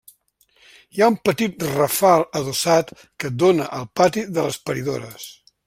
Hi ha un petit rafal adossat que dóna al pati de les paridores.